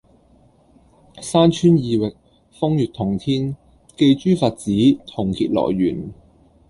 山川異域，風月同天，寄諸佛子，共結來緣